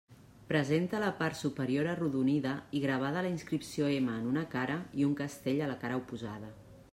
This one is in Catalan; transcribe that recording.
Presenta la part superior arrodonida i gravada la inscripció M, en una cara, i un castell a la cara oposada.